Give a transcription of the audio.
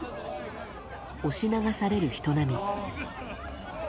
押し流される人波。